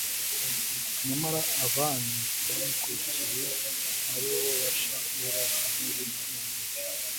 nyamara abami bamukurikiye ari bo Basha Ela Zimuri na Omuri